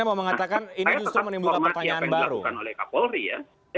saya tetap informasi apa yang dilakukan oleh kapolri ya